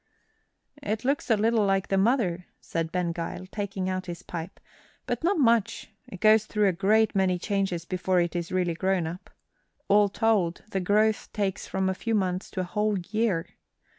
"It looks a little like the mother," said Ben Gile, taking out his pipe, "but not much. It goes through a great many changes before it is really grown up. All told, the growth takes from a few months to a whole year.